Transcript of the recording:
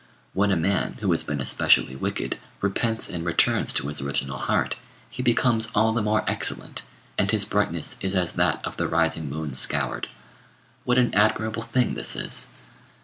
When a man, who has been especially wicked, repents and returns to his original heart, he becomes all the more excellent, and his brightness is as that of the rising moon scoured. What an admirable thing this is!